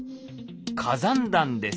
火山弾です。